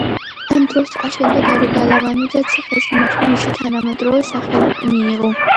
ამ დროს აშენდა გარე გალავანი და ციხესიმაგრემ მისი თანამედროვე სახე მიიღო.